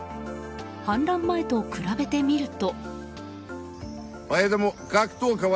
反乱前と比べてみると。